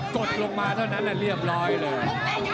กดลงมาเท่านั้นแหละเรียบร้อยเลย